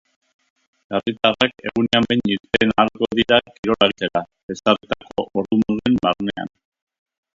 Herritarrak egunean behin irten ahalko dira kirola egitera, ezarritako ordu-mugen barnean.